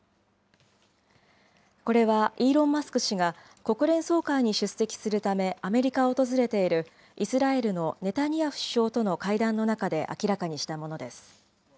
これはイーロン・マスク氏が国連総会に出席するためアメリカを訪れているイスラエルのネタニヤフ首相との会談の中で明らかにしたものです。